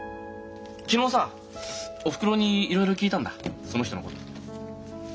昨日さおふくろにいろいろ聞いたんだその人のこと。